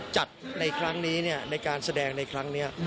ในครั้งนี้ในการแสดงในครั้งนี้